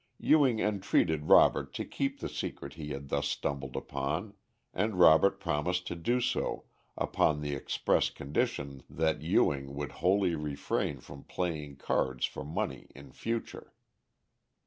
Ewing entreated Robert to keep the secret he had thus stumbled upon, and Robert promised to do so upon the express condition that Ewing would wholly refrain from playing cards for money in future.